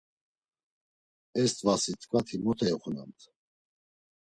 Est̆vasi t̆ǩvati mot eoxunamt.